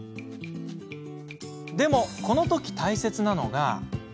でもこの時、大切なのが。